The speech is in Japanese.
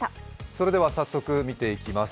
それでは早速、見ていきます